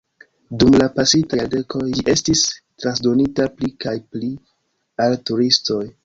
Dum la pasintaj jardekoj ĝi estis transdonita pli kaj pli al turistoj.